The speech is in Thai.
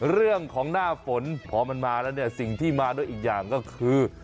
เรื่องของหน้าฝนพอมันมาแล้วเนี่ยสิ่งที่มาด้วยอีกอย่างก็คือ